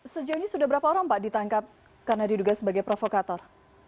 sejauh ini sudah berapa orang pak ditangkap karena diduga sebagai provokator